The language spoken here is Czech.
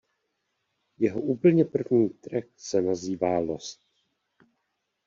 Jeho úplně první track se nazývá „Lost“.